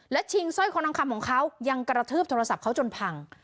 และชิงสร้อยคอทองคำของเขายังกระทืบโทรศัพท์เขาจนพัง